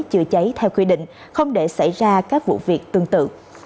chữa cháy theo quy định không để xảy ra các vụ việc tương tự